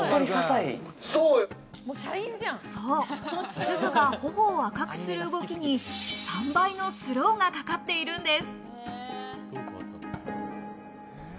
すずがほほを赤くする動きに３倍のスローがかかっているんです。